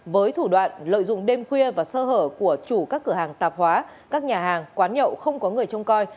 với thủ đoạn lợi dụng đêm khuya và sơ hở của chủ các cửa hàng tạp hóa các nhà hàng quán nhậu không có người trông coi